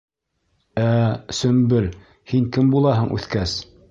Ә, Сөмбөл, һин кем булаһың үҫкәс?